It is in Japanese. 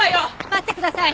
待ってください。